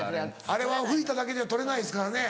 あれは拭いただけでは取れないですからね。